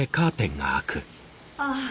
ああ。